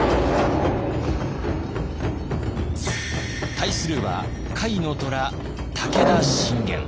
対するは甲斐の虎武田信玄。